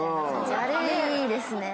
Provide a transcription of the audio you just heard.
あれいいですね。